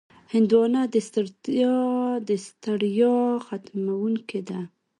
هندوانه د ستړیا ختموونکې ده.